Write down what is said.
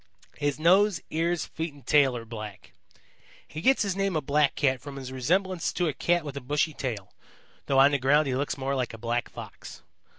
His nose, ears, feet and tail are black. He gets his name of Blackcat from his resemblance to a Cat with a bushy tail, though on the ground he looks more like a black Fox.